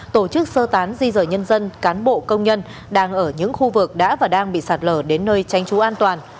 tổ chức sơ tán di rời nhân dân cán bộ công nhân đang ở những khu vực đã và đang bị sạt lở đến nơi tránh trú an toàn